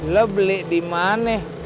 lo beli dimana